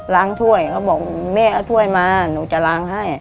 ถ้วยเขาบอกแม่เอาถ้วยมาหนูจะล้างให้